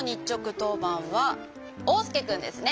とうばんはおうすけくんですね。